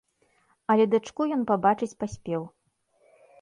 Але дачку ён пабачыць паспеў.